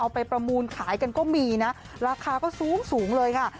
ไปประมูลขายกันก็มีนะราคาก็สูงเลยค่ะ